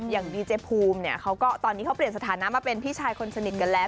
อย่างดีเจภูมิเนี่ยเขาก็ตอนนี้เขาเปลี่ยนสถานะมาเป็นพี่ชายคนสนิทกันแล้ว